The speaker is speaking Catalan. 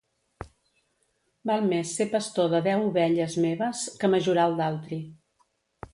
Val més ser pastor de deu ovelles meves que majoral d'altri.